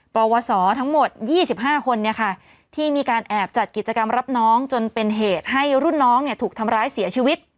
ปวสอทั้งหมดยี่สิบห้าคนนี้ค่ะที่มีการแอบจัดกิจกรรมรับน้องจนเป็นเหตุให้รุ่นน้องเนี่ยถูกทำร้ายเสียชีวิต